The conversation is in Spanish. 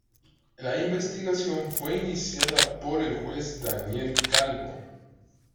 La investigación fue iniciada por el juez Daniel Calvo.